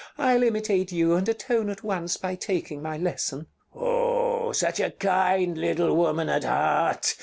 I'll imitate you, and atone at once by taking my lesson. Bartolo Oh! Such a kind little woman at heart!